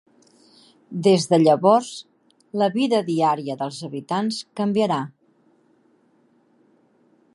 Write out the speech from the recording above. Des de llavors, la vida diària dels habitants canviarà.